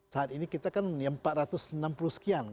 saat ini kita kan yang empat ratus enam puluh sekian